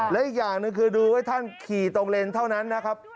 และอีกอย่างหนึ่งคือดูไว้ท่านขี่ตรงเลนเท่านั้นนะครับ